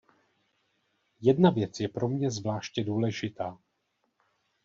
Jedna věc je pro mě zvláště důležitá.